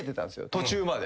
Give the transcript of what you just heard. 途中まで。